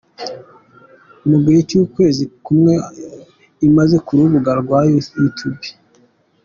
mu gihe cy’ukwezi kumwe imaze ku rubuga rwa Youtube.